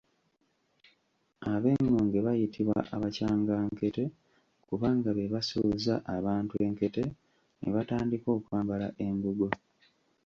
Ab’engonge bayitibwa ‘abakyangankete’ kubanga be basuuza abantu enkete ne batandika okwambala embugo.